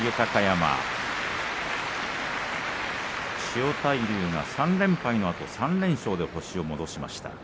千代大龍が３連敗のあと３連勝と星を伸ばしました。